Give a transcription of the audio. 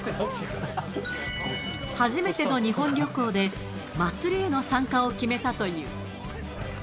初めての日本旅行で、祭りへの参加を決めたという。